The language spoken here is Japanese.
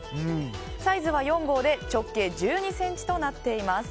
サイズは４号で直径１２ｃｍとなっています。